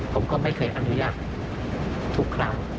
ผมก็ไม่เคยอนุญาตทุกครั้ง